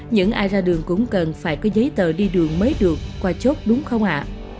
những ai ra đường cũng cần phải có giấy tờ đi đường mới được qua chốt đúng không ạ